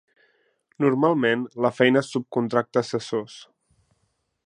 Normalment, la feina es subcontracta a assessors.